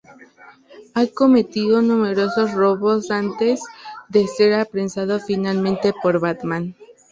Ha cometido numerosos robos antes de ser apresado finalmente por Batman.